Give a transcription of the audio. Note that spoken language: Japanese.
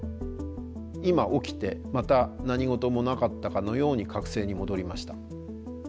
今起きてまた何事もなかったかのように覚醒に戻りました。